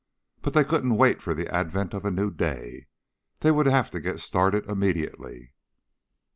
But they couldn't wait for the advent of a new day. They would have to get started immediately.